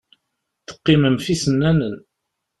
Teqqimem ɣef yisennanen.